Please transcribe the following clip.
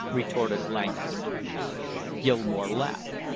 retorted Langham. Gilmore laughed.